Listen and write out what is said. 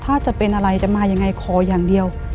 ถ้าจะเป็นอะไรจะมายังไงขออย่างเดียว